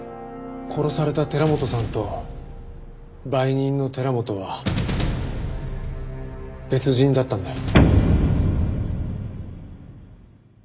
殺された寺本さんと売人の寺本は別人だったんだよ。